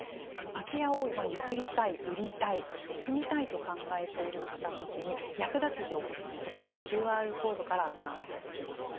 空き家を譲りたい売りたいそして住みたいと考えている方向けに役立つ情報をこちらのＱＲコードからご覧いただけます。